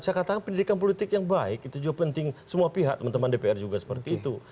saya katakan pendidikan politik yang baik itu juga penting semua pihak teman teman dpr juga seperti itu